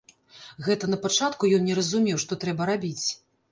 Гэта на пачатку ён не разумеў, што трэба рабіць.